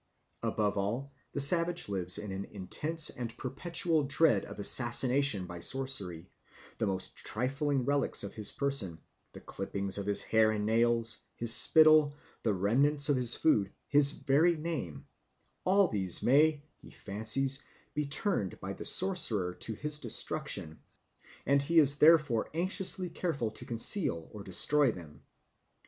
Above all, the savage lives in an intense and perpetual dread of assassination by sorcery; the most trifling relics of his person the clippings of his hair and nails, his spittle, the remnants of his food, his very name all these may, he fancies, be turned by the sorcerer to his destruction, and he is therefore anxiously careful to conceal or destroy them.